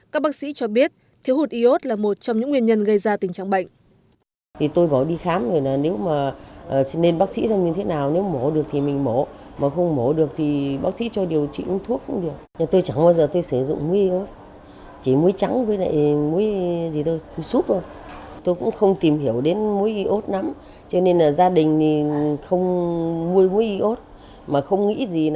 các bác sĩ cho biết thiếu hụt iốt là một trong những nguyên nhân gây ra tình trạng bệnh